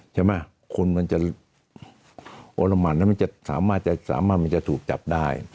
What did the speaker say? ใช่ไหมคนมันจะโอรมันแล้วมันจะสามารถถูกจับได้